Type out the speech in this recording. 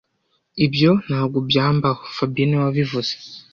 Ibyo ntabwo byambaho fabien niwe wabivuze